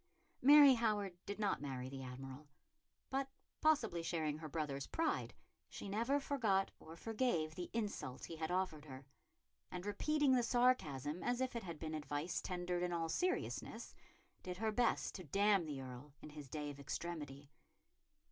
Mary Howard did not marry the Admiral, but, possibly sharing her brother's pride, she never forgot or forgave the insult he had offered her; and, repeating the sarcasm as if it had been advice tendered in all seriousness, did her best to damn the Earl in his day of extremity.